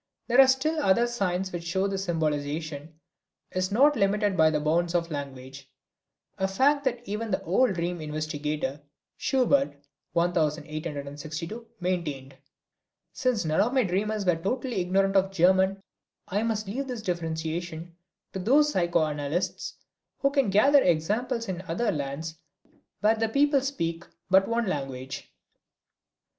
There are still other signs which show that the symbolization is not limited by the bounds of language, a fact that even the old dream investigator, Schubert (1862) maintained. Since none of my dreamers were totally ignorant of German I must leave this differentiation to those psychoanalysts who can gather examples in other lands where the people speak but one language.